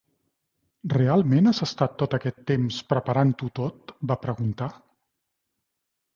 "Realment has estat tot aquest temps preparant-ho tot?" va preguntar.